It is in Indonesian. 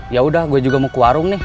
yaudah gue juga mau ke warung nih